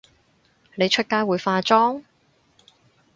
你出街會化妝？